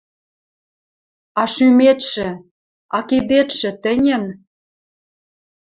А шӱметшӹ! А кидетшӹ тӹньӹн?